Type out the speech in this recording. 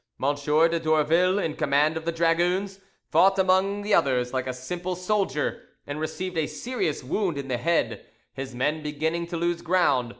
M. de Dourville, in command of the dragoons, fought among the others like a simple soldier, and received a serious wound in the head; his men beginning to lose ground, M.